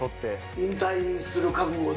引退する覚悟で？